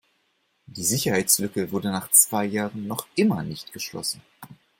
Die Sicherheitslücke wurde nach zwei Jahren noch immer nicht geschlossen.